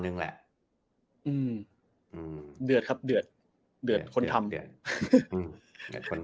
หนึ่งแหละอืมอืมเดือดครับเดือดเดือดคนทำอืมเดือดคน